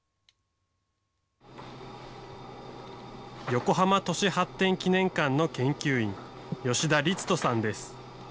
横浜都市発展記念館の研究員、吉田律人さんです。